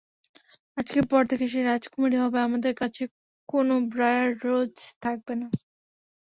আজকের পর থেকে সে রাজকুমারী হবে, আমাদের কাছে কোন ব্রায়ার রোজ থাকবেনা।